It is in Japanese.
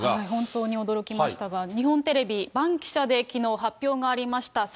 本当に驚きましたが、日本テレビ、バンキシャできのう発表がありました